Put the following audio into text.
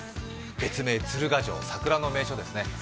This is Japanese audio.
別名・鶴ヶ城、桜の名所ですね。